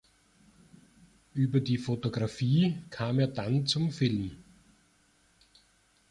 Über die Fotografie kam er dann zum Film.